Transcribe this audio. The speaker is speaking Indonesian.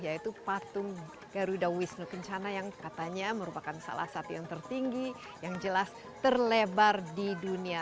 yaitu patung garuda wisnu kencana yang katanya merupakan salah satu yang tertinggi yang jelas terlebar di dunia